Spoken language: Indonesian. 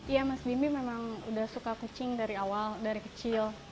iya mas bimbi memang sudah suka kucing dari awal dari kecil